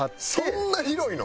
そんな広いの！？